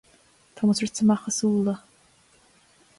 Táimid rite amach as úlla.